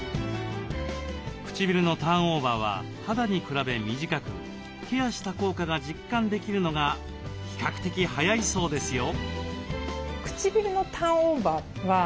唇のターンオーバーは肌に比べ短くケアした効果が実感できるのが比較的早いそうですよ。